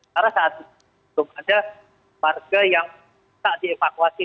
karena saat itu ada warga yang tak dievakuasi